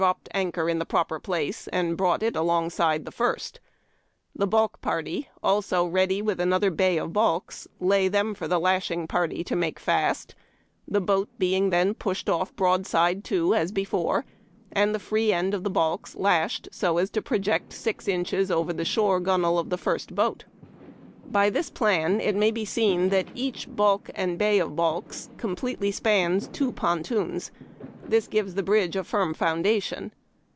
dropj)ed anchor in the proper place, and brought it along side the first ; the balk party, also ready with another bay of balks, lay them for the lashing party to make fast; the boat being then pushed off broadside to as before, and the free end of the balks lashed so as to project six inches over the shore gunwale of the first boat. By this plan it may be seen that each Ijalk and bay of balks completely spans two pontons. This gives the bridge a firm foundation.